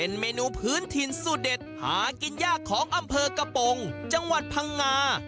เป็นเมนูพื้นถิ่นสูตรเด็ดหากินยากของอำเภอกระโปรงจังหวัดพังงา